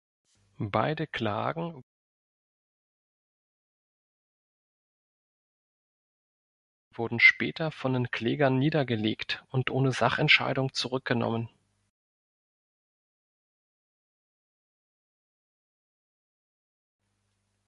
Beide Klagen wurden später von den Klägern niedergelegt und ohne Sachentscheidung zurückgenommen.